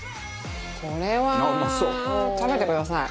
これは食べてください。